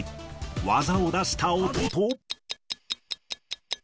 技を出した音と。